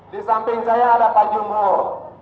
di samping saya ada pak jumbo